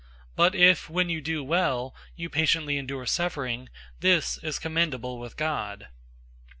But if, when you do well, you patiently endure suffering, this is commendable with God.